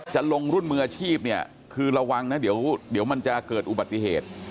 จะลงรุ่นมืออาชีพเนี่ยคือระวังนะเดี๋ยวมันจะเกิดอุบัติเหตุ